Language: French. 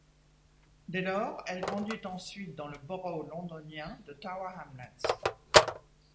Dès lors, elle grandit ensuite dans le Borough londonien de Tower Hamlets.